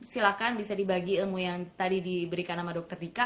silahkan bisa dibagi ilmu yang tadi diberikan sama dokter dika